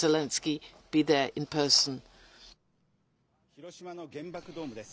広島の原爆ドームです。